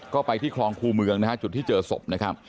ก็ไปที่ครองคลุเมืองจุดที่เจอศพ